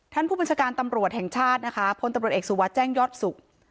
ท่านผู้บัญชาการตำรวจแห่งชาตินะคะพลตำรวจเอกสุวัสดิ์แจ้งยอดสุข